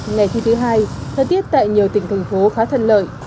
ngày thi thứ hai thời tiết tại nhiều tỉnh thành phố khá thân lợi